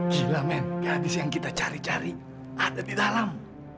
sulamen gadis yang kita cari cari ada di dalam